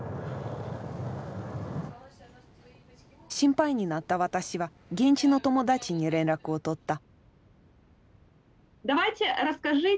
心配になった私は現地の友達に連絡を取った。